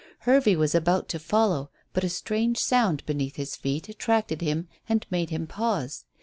Hervey was about to follow, but a strange sound beneath his feet attracted him and made him pause.